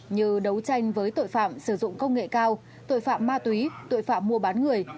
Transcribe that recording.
như đấu tranh với tội phạm sử dụng công nghệ cao tội phạm ma túy tội phạm mua bán người